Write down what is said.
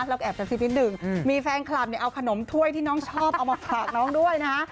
แล้วก็แอบเป็นสิ้นดึงมีแฟนคลับเอาขนมถ้วยที่น้องชอบเอามาฝากน้องด้วยนะ